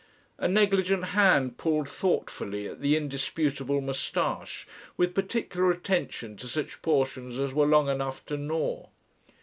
A negligent hand pulled thoughtfully at the indisputable moustache, with particular attention to such portions as were long enough to gnaw.